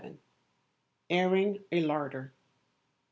Airing a Larder.